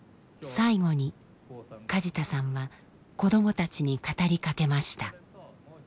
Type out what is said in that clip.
最後に梶田さんは子どもたちに語りかけました。